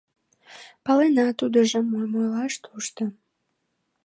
— Палена тудыжым, мом ойлаш тушто.